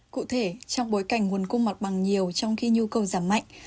cụ thể trong bối cảnh nguồn cung mặt bằng nhiều trong khi nhu cầu giảm mạnh